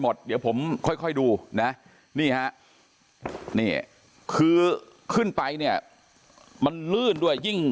หมดเดี๋ยวผมค่อยดูนะนี่ฮะนี่คือขึ้นไปเนี่ยมันลื่นด้วยยิ่ง